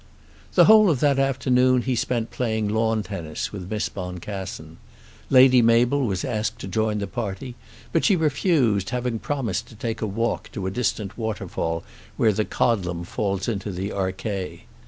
The whole of that afternoon he spent playing lawn tennis with Miss Boncassen. Lady Mabel was asked to join the party, but she refused, having promised to take a walk to a distant waterfall where the Codlem falls into the Archay.